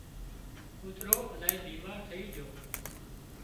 ڪوترو الاهي بيمار ٿئي جھو